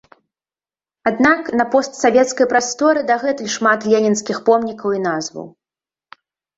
Аднак, на постсавецкай прасторы дагэтуль шмат ленінскіх помнікаў і назваў.